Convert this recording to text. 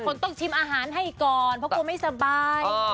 คนต้องชิมอาหารให้ก่อนเพราะกลัวไม่สบาย